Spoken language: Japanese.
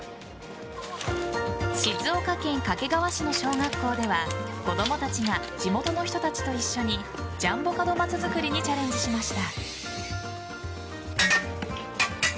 静岡県掛川市の小学校では子供たちが地元の人たちと一緒にジャンボ門松作りにチャレンジしました。